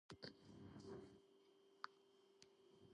ჩვენ ყველამ ვიცით ვინ არის ვინიპუხა.